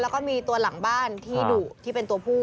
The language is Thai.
แล้วก็มีตัวหลังบ้านที่ดุที่เป็นตัวผู้